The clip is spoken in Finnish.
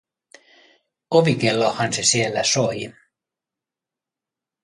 Ovikellohan se siellä soi.